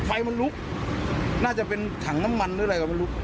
ไฟมันลุกน่าจะเป็นถังน้ำมันหรืออะไรก็ไม่รู้